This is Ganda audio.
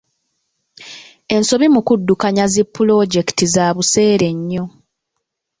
Ensobi mu kuddukanya zi pulojekiti za buseere nnyo.